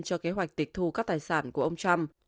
cho kế hoạch tịch thu các tài sản của ông trump